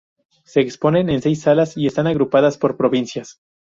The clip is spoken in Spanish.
Se exponen en seis salas y están agrupadas por provincias.